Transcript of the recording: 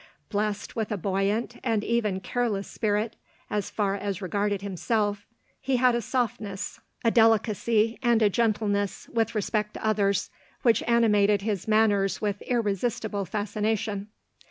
Blest with a buoyant, and even careless spirit, as far as regarded himself, he had a softness, a LODORE. 299 delicacy, and a gentleness, with respect to others, which animated his manners with irresistible fascination.